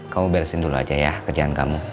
kamu beresin dulu aja ya kerjaan kamu